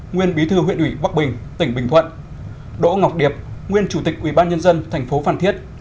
nguyên bí thư huyện ủy bắc bình tỉnh bình thuận đỗ ngọc điệp nguyên chủ tịch ubnd tp phan thiết